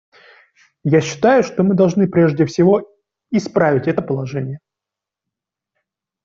Я считаю, что мы должны прежде всего исправить это положение.